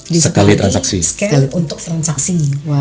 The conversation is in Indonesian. di sekali scale untuk transaksi